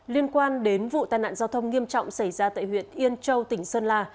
liên quan đến vụ tai nạn giao thông nghiêm trọng xảy ra tại huyện yên châu tỉnh sơn la